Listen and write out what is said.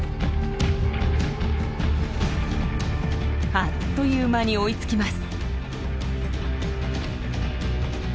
あっという間に追いつきます。